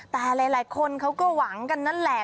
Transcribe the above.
แต่หลายคนเขาก็หวังกันนั่นแหละ